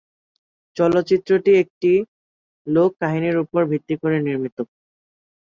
চলচ্চিত্রটি একটি লোক কাহিনীর উপর ভিত্তি করে নির্মিত।